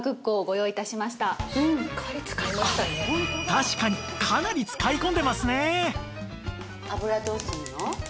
確かにかなり使い込んでますね